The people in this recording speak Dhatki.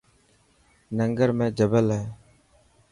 ننگر ۾ جبل هي.